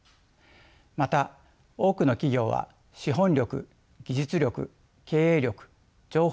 また多くの企業は資本力技術力経営力情報量に富んでいます。